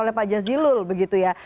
oleh pak jazilul begitu ya